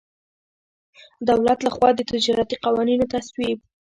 دولت له خوا د تجارتي قوانینو تصویب.